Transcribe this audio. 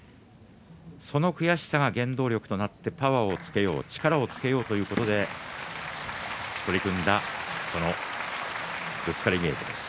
その悔しさが原動力となってパワーをつけて力をつけようということで取り組んだそのぶつかり稽古です。